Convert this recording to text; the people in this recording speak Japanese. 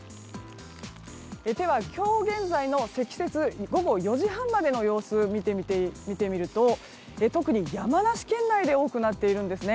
では、今日現在の積雪午後４時半までの様子を見ると特に山梨県内で多くなっているんですね。